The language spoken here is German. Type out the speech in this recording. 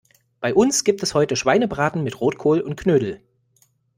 Bei uns gibt es heute Schweinebraten mit Rotkohl und Knödel.